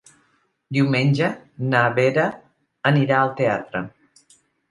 Diumenge na Vera anirà al teatre.